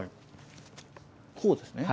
こうですね？